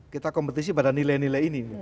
kita kompetisi pada nilai nilai ini